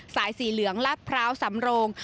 สายสีเหลืองลาดพร้าวสำโรง